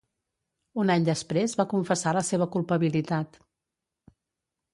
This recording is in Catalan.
Un any després va confessar la seva culpabilitat.